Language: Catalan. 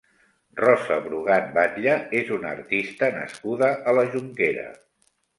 Rosa Brugat Batlle és una artista nascuda a la Jonquera.